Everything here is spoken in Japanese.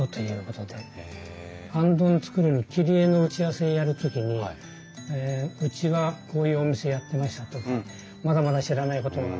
行灯を作るのに切り絵の打ち合わせをやる時にうちはこういうお店やってましたとかまだまだ知らないことが勉強になります。